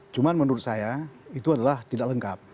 cuma menurut saya itu adalah tidak lengkap